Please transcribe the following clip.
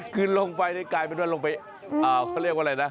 คือลงไปในกายไม่รู้ว่าลงไปเขาเรียกว่าอะไรนะ